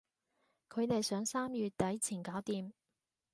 佢哋想三月底前搞掂